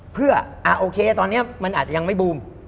เพื่อโอเคตอนนี้มันอาจจะยังไม่บูม